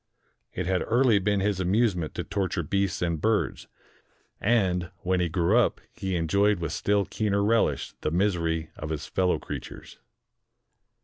It had early been his amusement to torture beasts and birds; and, when he grew up, he enjoyed with still keener relish the misery of his fellow creatures.